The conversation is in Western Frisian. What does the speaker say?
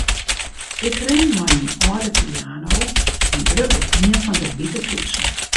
Ik rin nei myn âlde piano en druk op ien fan 'e wite toetsen.